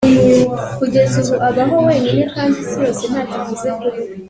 Data yansabye ko njya kureba aho hantu